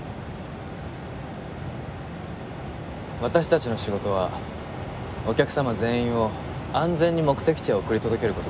私たちの仕事はお客様全員を安全に目的地へ送り届ける事です。